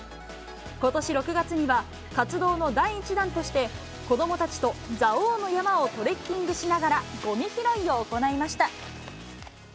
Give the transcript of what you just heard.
ことし６月には、活動の第１弾として、子どもたちと蔵王の山をトレッキングしながらごみ拾いを行いました。